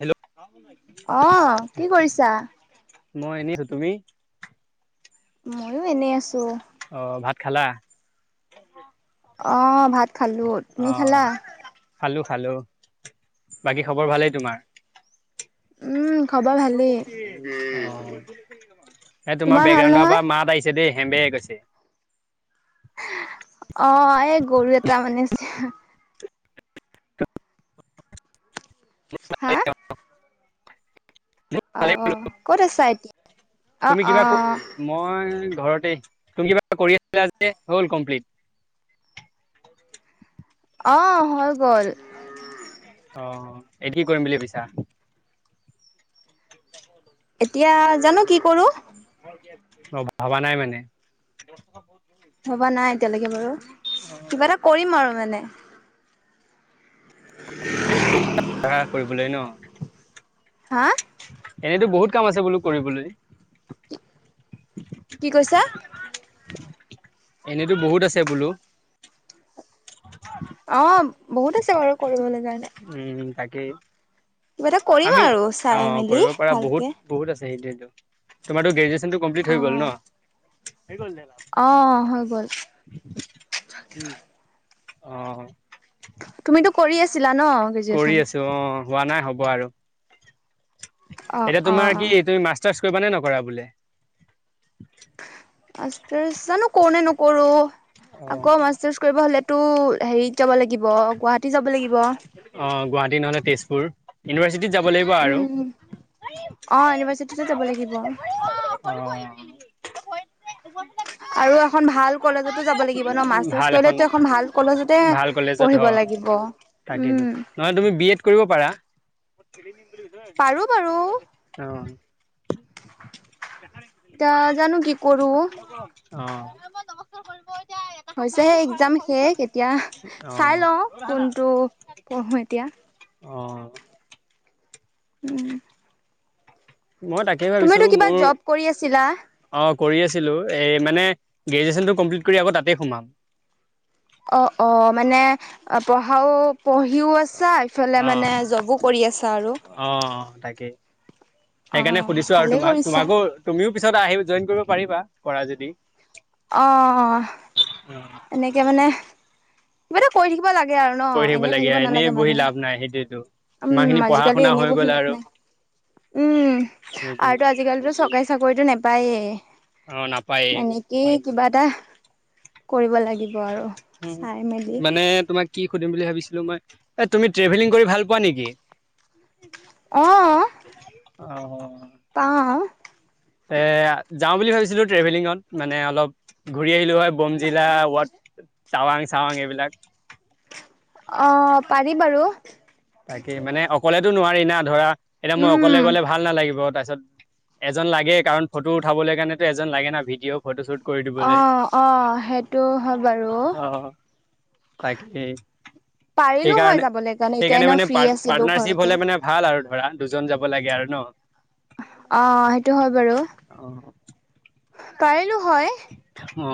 Hello অ, কি কৰিছা? মই এনিছো, তুমি? ময়ো এনে আছোঁ। অ, ভাত খালা? অ, ভাত খালোঁ, তুমি খালা? খালোঁ, বাকী খবৰ ভালেই তোমাৰ? উম। খবৰ অ, এ ভালেই। তোমাৰ তোমাৰ ভাল বেকগ্ৰাউণ্ডৰ নহয়? পৰা মাত আহিছে দেই। হেম্বে গৈছে। অ, এই গৰু এটা মানে হাঁ? অ, অ, ক'ত আছা এতিয়া? অ', তুমি কিবা ক, অ', মই ঘৰতে তুমি কিবা কৰি আছিলা যে, হ'ল কমপ্লিট? অ', হৈ গ'ল। অ, এই‌ কি কৰিম বুলি ভাবিছা? এতিয়া, জানোঁ কি কৰো? অ, ভাবা নাই মানে। ভবা নাই এতিয়ালৈকে বাৰু, কিবা এটা কৰিম আৰু মানে। কৰিবলৈ ন? হা? এনেইতো বহুত কাম আছে বোলো কৰিবলৈ। কি কৈছা? এনেতো বহুত আছে বোলো। অ', বহুত আছে বাৰু কৰিব লাগ উম, তাকেই। কিবা এটা কৰিম আমি, আৰু চাই অ' মেলি কৰিব পাৰা বহুত, ভালকে। বহুত আছে এই তোমাৰটো গ্ৰেজুৱেচনটো কমপ্লিট হৈ গ'ল অ', ন? অ' হৈ গ'ল। অ'। তুমিতো কৰি আছিলা ন কৰি গ্ৰেজুৱেচন?? আছো অ হোৱা নাই হ'ব আৰু অ এতিয়া অ তোমাৰ কি তুমি মাছ টাৰছ্ কৰিব নে নকৰা বোলে?? মাাৰছ জানো কৰো নে নকৰো আকৌ মাৰ্চ কৰিব হলেতো হেৰিত যাব লাগিব গুৱাহাটী যাব লাগিব। অ, গুৱাহাটী নহলে তেজপুৰ ইউনিভাৰ্চিটিত যাব লাগিব আৰু। অহ, ইউনিভাৰ্চিটিতে যাব লাগিব। হয়। আৰু এখন ভাল কলেজত যাব লাগিব ন মাষ্টাৰ্চ কৰিলেতো এখন ভাল কলেজতে ভাল কলেজত অ পঢ়িব লাগিব তাকেইতো উম, নহয় তুমি বি এড কৰিব পাৰা। এয়া জানো কি কৰো। নমস্কাৰ কৰিব হৈছেহে এক্জাম শেষ এতিয়া অ চাই লও কোনটো অহো এতিয়া। অ', উম, মই তাকেই ভাবিছো তুমিতো কিবা মোৰ জব কৰি আছিলা অ, কৰি আছিলো। এ মানে গ্ৰেজুৱেশচন টো কমপ্লিট কৰি আকৌ তাতে সোমাম। অ - অ মানে পঢ়াও পঢ়িও আছা এইফালে অ মানে জবো কৰি আছা আৰু। অ অ তাকেই সেইকাৰণে অ', সুধিছো আৰু ভালেই তোমাক কৰিছা। তোমাকো তুমিও পিছত আহিব জইন কৰিব পাৰিবা কৰা যদি? অ, এনেকে মানে কিবা এটা কৰি থাকিব। লাগে আৰু ন কৰি এনেই লাগে থাকিব এনেই নালাগে বহি মানুহে। লাভ নাই সেইটোৱেতো ইমান উম, খিনি পঢ়া আজিকালি শুনা হৈ এনেই গ'ল পহিলত আৰু নাই উম, সেইটোৱে আৰুতো আজিকালিতো চকাই চাকৰিটো নাপায়েই। অ, নাপায়। কিবা এটা কৰিব লাগিব আৰু চাই মেলি মানে তোমাক কি সুধিম বুলি ভাবিছিলো মই এ তুমি ট্ৰেভেলিং কৰি ভাল পোৱা নেকি? আহ অ পা এ যাও বুলি ভাবিছিলো ট্ৰেভেলিঙত মানে অলপ ঘূৰি আহিলো হয়। বম জিলা ৱাত টাৱাং চাৱাং এইবিলাক। অ, পাৰি বাৰু। তাকে মানে অকলেতো নোৱাৰি না ধৰা এতিয়া মোৰ উম। অকলে গলে ভাল নালাগিব তাৰিছত তিছত এজন লাগে কাৰণ ফটো উঠাবলৈ কাৰণেেতো এজন লাগে না ভিডিঅ' ফটোশুট অ - অ সেইটো হয় বাৰু। তাকেই পাৰিলো হয় সেইকাৰণে - যাবলৈ কাৰণে সেই এতিয়া সেইকাৰণে এনে মানে ফ্ৰী আছিলো পাৰ্টনাৰশ্বিপ ঘৰতে হলে মানে ভাল আৰু ধৰা দুজন যাব লাগে আৰু ন। অ, সেইটো হয় বাৰু অ পাৰিলো হয়। অ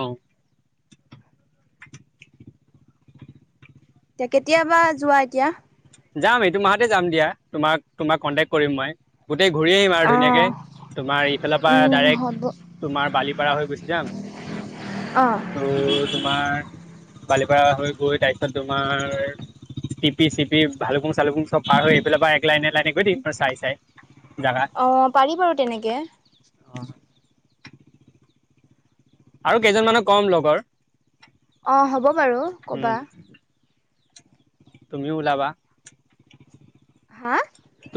এতিয়া কেতিয়াবা যোৱা এতিয়া যাম এইটো মাহতে যাম দিয়া তোমাক তোমাক কণ্টেক্ট কৰিম মই গোটেই ঘূৰি আহিম আৰু অ ধুনীয়াকে তোমাৰ ইফালৰ পৰা উম ডাইৰেক্ট হ'ব তোমাৰ বালিপাৰা হৈ গুচি যাম অ ত, তোমাৰ বালিপ হৈ গৈ তাৰপিছত তোমাৰ চি চিপি ভালুকং চালুং চব পাৰ হৈ স এইফালৰ পৰা এক লাইনে এ লাইনে গৈ দম এক চাই - চাই জাগা অ, পাৰি বাৰু তেনেকে। অ আৰু কেইজনমানানহ কম লগৰ। অ, হ'ব বাৰু উম ক'বা। তুমিও ওলাব। হা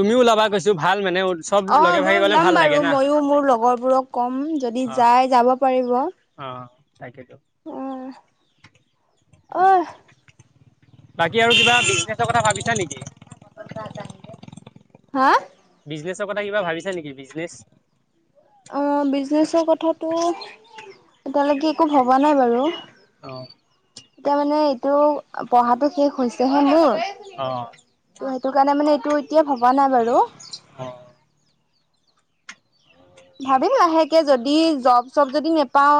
তুমিও ওলাবা কৈছো ভাল মানে চব অ, লগে মই ভাগে গলে ওলাম ভাল লাগে বাৰু না ময়ো মোৰ লগৰবোৰক ক'ম যদি যাই যাব পাৰিব। তাকেটো অহ, বাকী আৰু কিবা বিজনেচৰ কথা ভাবিছা নেকি হা বিজনেছৰ কথা কিবা ভাবিছা নেকি বিজনেছ। অ' বিজনেচৰ কথাাতটো এতিালৈকে একো ভব পোৱা নাই বাৰু অ এতিয়া মানে এইটো পঢ়াতটো শেষ হৈছে হে মোৰ। অ সেইটো কাৰণে মানে এইটো এতিয়া ভবা নাই বাৰু অ ভাবি লাহেকে যদি জব চব যদি নে পাও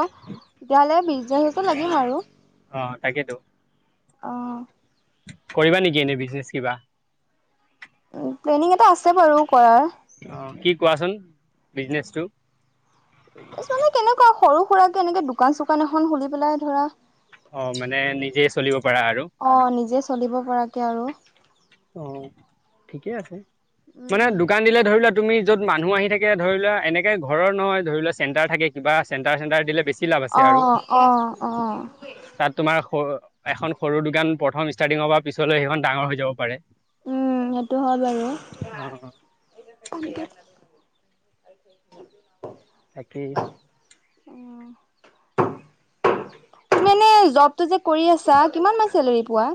তেতিয়াাহলে বিছ আহিছে লাগিম আৰু অ তাকেতো অহ কৰিবা নেকি এনেই বিজনেচ কিবা প্লেনিং এটা আছে বাৰু কৰাৰ। অ কি কোৱাচোন বিজনেছটো মানে কেনেকুৱা সৰু সুৰাকে এনেকে দোকান চোকান এখন খুলি পেলাই ধৰা। অ মানে নিজে চলিব পাৰা আৰু অ নিজে চলিব পৰাকে আৰু। অ' ঠিকে আছে মানে উম দোকান দিলে ধৰি লোৱা। তুমি য'ত মানুহ আহি থাকে ধৰি লোৱা এনেকে ঘৰৰ নহয় ধৰি লোৱা চেণ্টাৰ থাকে কিবা চেণ্টাৰ চেণ্টাৰ দিলে বেছি। কি লাভ আছে অ আৰু অ অ তাত তোমাৰ সৰু। এখন সৰু দোকান প্ৰথম ষ্টাৰ্টিংৰ পৰা পিছলৈ সেইখন ডাঙৰ হৈ যাব পাৰে। উম, সেইটো হয় বাৰু। অ [inaudible] তাকেই [inaudible] মানে জবটো যে কৰি আছা কিমান মান চেলাৰী পোৱা।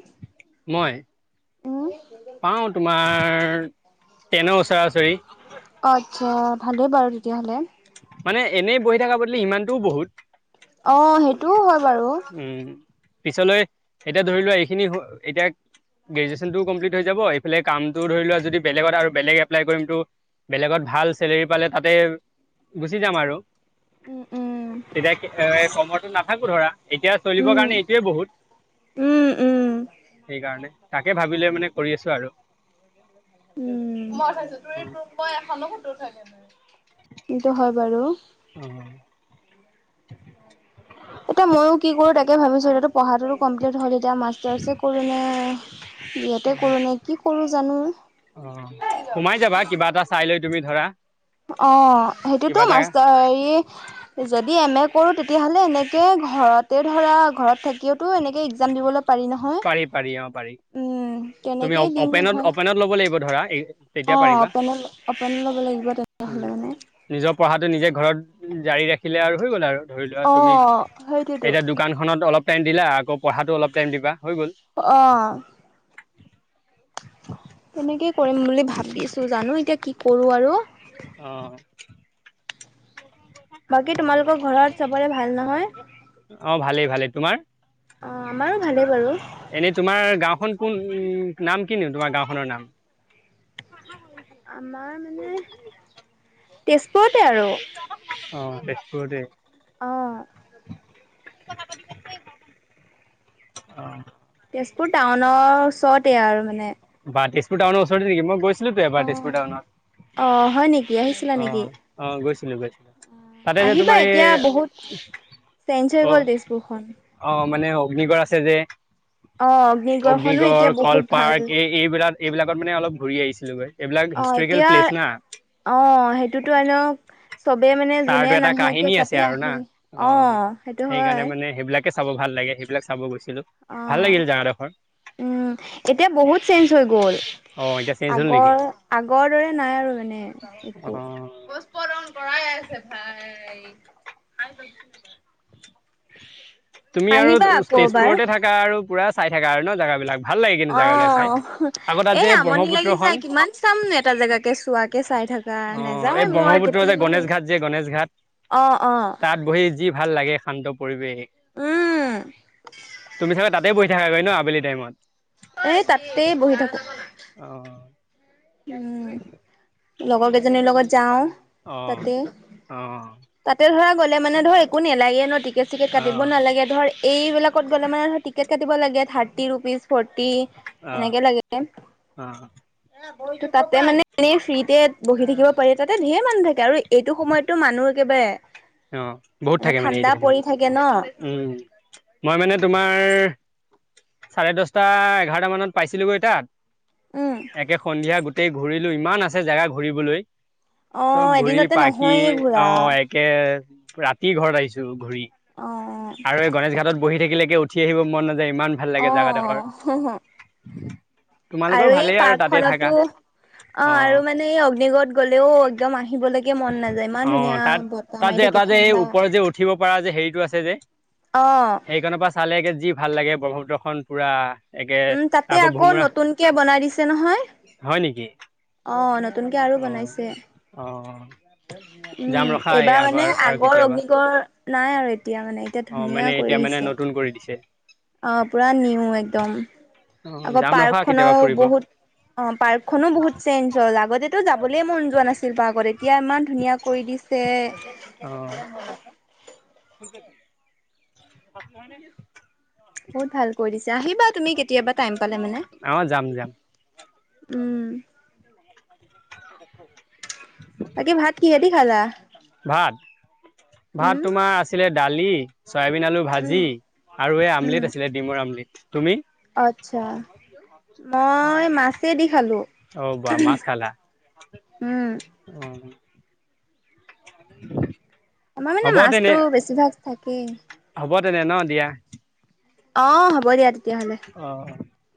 মই উম পাওঁ তোমাৰ টেনৰ ওচৰা ওচৰি, আচ্ছা, ভালেই বাৰু তেতিয়াহ'লে। মানে এনেই বহি থকা বদলি ইমানটোও বহুত অ, সেইটোও হয়। বাৰু উম, পিছলৈ এতিয়া ধৰি লোৱা এইখিনি এতিয়া। গ্ৰেজুৱেশচনটো কমপ্লিট হৈ যাব এইফালে কামটো ধৰি লোৱা যদি বেলেগত আৰু বেলেগ এপ্লাই কৰিমটো। বেলেগত ভাল চেলেৰি পালে তাতে গুচি যাম আৰু। উম উম তেতিয়া এ কমতটো নাথাকো ধৰা। এতিয়া চলিবৰ উম, কাৰণে এইটোৱে বহুত। উম, উম, সেইকাৰণে তাকে ভাবি লৈ মানে কৰি আছো আৰু সেইতো হয় বাৰু। অহ, এতিয়া ময়ো কি কৰো তাকে ভাবিছোঁ এতিয়াতো পঢ়াটো। ইয়াতে কৰো নে কি কৰো জানো। অ' সোমাই যাবা কিবা এটা চাই লৈ তুমি ধৰা অ' কিবা সেইটোতো এটা মাষ্টৰ যদি যদি এম এ কৰোঁ তেতিয়াহ'লে এনেকে ঘৰতে ধৰা ঘৰত থাকিওতো এনেকে এগজাম দিবলে পাৰি ন। হম, পাৰি পাৰি অ পাৰি উম, তুমি তেনেকেই দিম অপেনত নহয়। অপেনত ল'ব লাগিব ধৰা তেতিয়া অ' পাৰিবা অপেনে-অপেন লব লাগিব তে উম, নিজৰ পঢ়াটো নিজে ঘৰত জাৰি ৰাখিলে আৰু হৈ গ'ল আৰু। ধৰি লোৱা তুমি অ', সেইটোৱেতো। এতিয়া দোকানখনত অলপ টাইম দিলা আকৌ পঢ়াতো অলপ টাইম দিবা। হৈ গ'ল অহ, [inaudible] তেনেকেই কৰিম বুলি ভাবিছো জানো এতিয়া কি কৰো আৰু। অহ বাকী তোমালোকৰ ঘৰত চবৰে ভাল নহয় ভালে তোমাৰ ভালে বাৰু এনেই তোমাৰ গাঁওখন কোন নাম কিনো তোমাৰ গাঁওখনৰ নাম অ [inaudible] আমাৰ মানে তেজপুৰতে আৰু অহ তেজপুৰতে অ', অহ [unintelligible] তেজপুৰ টাউনৰ ওচৰতে আৰু মানে বা তেজপুৰ টাউনৰ ওচৰতে নেকি মই গৈছিলো তো অ'। এবাৰ তেজপুৰ টাউনত অ', হয় নেকি আহিছিলা নেকি? অ', অ', গৈছিলো, গৈছিলো তাতে, যে আহিবা তোমাৰ এই এতিয়া বহুত চেঞ্জ হৈ গ'ল অ', তেজপুৰখন। আহ মানে অগ্নিগড় আছে যে অ', অগ্নিগড়খনো অগ্নিগড় এতিয়া কল বহুত ভাল পাৰ্ক এই এইবিলাক এইবিলাকত মানে অলপ ঘূৰি আহিছিলোগৈ এইবিলাক অ', হিষ্টৰিকেল এতিয়া প্লেচ না অ', সেইটোতো এনেও চবে মানে যোনে তাৰতো এটা নাহেকৈ কাহিনী আছে তাতে আৰু না আহে অ', সেইটো সেইকাৰণে হয় মানে সেইবিলাকে চাব ভাল লাগে সেইবিলাক চাব গৈছিলো, ভাল অ', লাগিল যাওঁ দোখৰ এতিয়া বহুত চেঞ্জ হৈ গ'ল অ এতিয়া চেঞ্জ হ'ল নেকি আগৰ, আগৰ দৰে নাই আৰু মানে অ একো পৰাই আছে ভাই খাইাই [unintelligible] তুমি আৰু তেজপুৰতে থাকা আৰু পুৰা চাই থাকা আৰু ন জেগা বিলাক অ', এ যে আমনি লাগি ব্ৰহ্মপুত্ৰখন যায়, কিমান চাম এটা জেগাকে চোৱাকে চাই থকা অ' এই নাযাওঁ মই ব্ৰহ্মপুত্ৰ যে কেতিয়াবা গণেশ সেই ঘাট যে গণেশ ঘাট অ', অ', তাত বহি যি ভাল লাগে শান্ত পৰিৱেশ উম, তুমি চাগে তাতে বহি থাকাকৈ ন আবেলি টাইমত এ, তাতেই বহি থাকো অ' উম, [inaudible] লগৰ কেইজনীৰ লগত যাও অ' তাতে, অ' তাতে ধৰা গ'ল মানে ধৰ একো নেলাগে ন টিকেট, চিকেট কাটিব অ' নালাগে ধৰ এইবিলাক ত গ'লে মানে টিকেট কাটিব লাগে থাৰতি ৰুপিজ ফৰটি অ' এনেকে লাগে অ' তাতে মানে এনেই ফ্ৰীতে বহি থাকিব পাৰি তাতে ঢেৰ মানুহ থাকে আৰু এইটো সময়ততটো মানুহ একেবাৰে অ', বহুত থাকে মানে ঠাণ্ডা এইটো পৰি সময়ত থাকে ন উম মই মানে তোমাৰ চাৰে দহটা এঘাৰটা মানত পাইছিলোগৈ উম তাত একে সন্ধিয়া গোট গোটেই ঘূৰিলো ইমান আছে জোগা ঘূৰিবলৈ অ চব ঘূৰি এদিনতে পাকি নহয়ে অ ঘূৰা একে ৰাতি ঘৰত আহিছো ঘূৰি অ', অ', আৰু এই গণেশ ঘাটত বহি থাকিলেকে উঠি আহিব মন নাযায় ইমান ভাল অ লাগে জোগাডোখৰ অ আৰু এই পাৰ্কখননতো অ', আৰু মানে এই অগ্নিগড়ত গ'লেও একদম আহিব লাগে কে মন নাযায় অ ইমান ধুনীয়া ব্তাহ মাৰি থাকে ঠাণ্ডা পাৰা যে হেৰিতটো আছে যে অ', হেৰিখনৰ পৰা চালেগে যি ভাল লাগে ব্ৰহ্মপুত্ৰখনন পুৰা একে উম, তাতে আকৌ নতুনকে বনাই দিছে নহয় হয় নেকি অ', নতুনকে আৰু অ বনাইছে অ উম, যাম ৰখা এই এইবাৰ আগ মানে আৰু আগৰ কেতিয়াবা অগ্নিগঢ় নাই আৰু এতিয়া মানে এতিয়া অ মানে ধুনীয়া কৰি এতিয়া মানে দিছে। নতুন কৰি দিছে অ', পুৰা নিউ একদম অ আকৌ যাম ৰখা পাৰ্ক কেতিয়াবা খনৰ ফুৰিব বহুত অ', পাৰ্কখননো বহুত চেঞ্জ হ'ল আগতেো যাবলে মন যোৱা নাছিল পাৰ্কত এতিয়া ইমান ধুনীয়া কৰি দি ছে পনি হয়নে বহুত ভাল কৰিৈ দিছো আহিবা তুমি কেতিয়াবা টাইম পালে মানে অ যাম যাম উম খ তাকে ভাত কিহেঁতি খালা ভাত ভাত উম, তোমাৰ আছিলে দালি চয়াবিন আলু উম, ভাজি আৰু এই আমলেট আছিলে ডিমৰ আমলেট তুমি আত্ছা মই মাছে দি খালো অ বা মাছ খালা উম উ আমাৰ মানে মাছতো বেছিভাগ থাকেই হ'ব তেনে ন দিয়া অ হব দিয়া তেতিয়াহ'লে অ অ